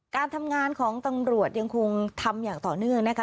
การทำงานของตำรวจยังคงทำอย่างต่อเนื่องนะคะ